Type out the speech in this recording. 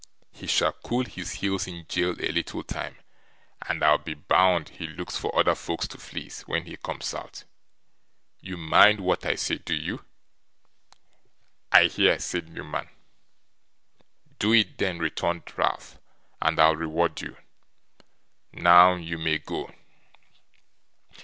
He shall cool his heels in jail a little time, and I'll be bound he looks for other folks to fleece, when he comes out. You mind what I say, do you?' 'I hear,' said Newman. 'Do it then,' returned Ralph, 'and I'll reward you. Now, you may go.